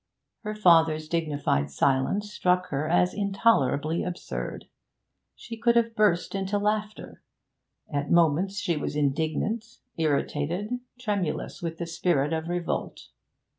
Her father's dignified silence struck her as intolerably absurd. She could have burst into laughter; at moments she was indignant, irritated, tremulous with the spirit of revolt.